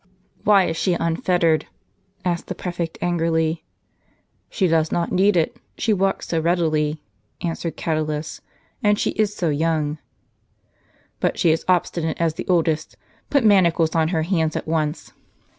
" Why is she unfettered ?" asked the prefect angrily. " She does not need it : she walks so readily," answered Catulus ;" and she is so young." " But she is obstinate as the oldest. Put manacles on her hands at once."